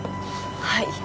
はい。